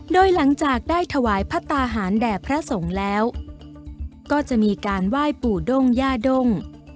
โดยหลังจากได้ถวายพระตาหารแด่พระสงฆ์แล้วก็จะมีการไหว้ปู่ด้งย่าด้ง